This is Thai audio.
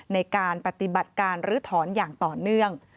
ในการปฏิบัติการลื้อถอนอย่างต่อเนื่อง